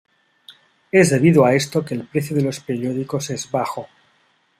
Es debido a esto que el precio de los periódicos es bajo.